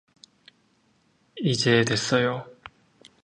이제 됐어요.